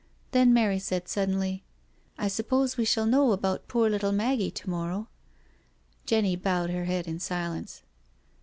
Then Mary said suddenly :" I suppose we shall know about poor little Maggie to morrow?" Jenny bowed her head in silence.